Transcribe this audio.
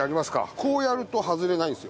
こうやると外れないんですよ。